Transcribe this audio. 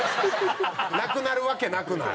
なくなるわけなくない？